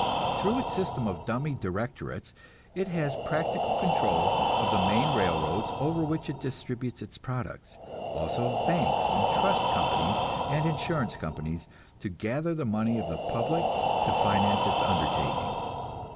Through its system of dummy directorates it has practical control of the main railroads over which it distributes its products; also of banks and trust companies and insurance companies, to gather the money of the public to finance its undertakings.